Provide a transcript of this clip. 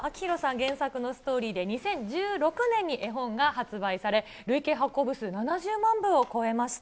原作のストーリーで、２０１６年に絵本が発売され、累計発行部数７０万部を超えました。